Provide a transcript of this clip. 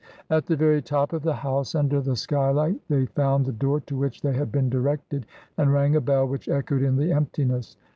At the very top of the house, under the skylight, they found the door to which they had been directed, and rang a bell, which echoed in the emptiness.